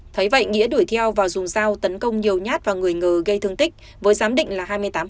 thấy vậy nghĩa đuổi theo và dùng dao tấn công nhiều nhát vào người ngừ gây thương tích với giám định là hai mươi tám